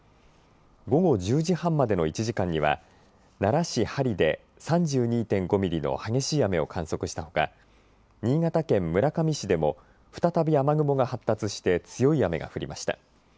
午後１０時半までの１時間には奈良市針で３２．５ミリの激しい雨を観測したほか新潟県村上市でも再び雨雲が発達して強い雨が降りました。